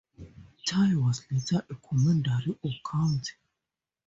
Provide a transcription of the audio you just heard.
Tai was later a commandery or county.